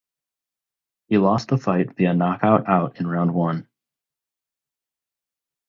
He lost the fight via knockout out in round one.